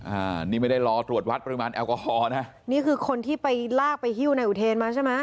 อ่านี่ไม่ได้รอตรวจวัดปริมาณแอลกอฮอลนะนี่คือคนที่ไปลากไปฮิ้วนายอุเทนมาใช่ไหม